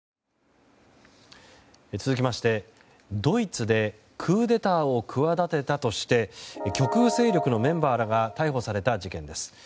続きまして、ドイツでクーデターを企てたとして極右勢力のメンバーらが逮捕された事件です。